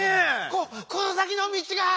ここの先のみちが。